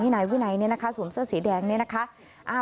นี่นายวินายเนี่ยนะคะศูนย์เสื้อสีแดงเนี่ยนะคะ